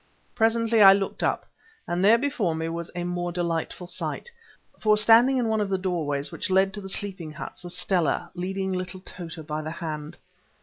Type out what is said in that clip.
Presently I looked up, and there before me was a more delightful sight, for standing in one of the doorways which led to the sleeping huts was Stella, leading little Tota by the hand.